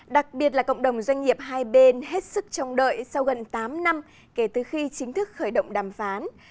đặc biệt là cộng đồng doanh nghiệp hai bên hết sức chống đợi sau gần tám năm kể từ khi chính thức khởi động đàm phán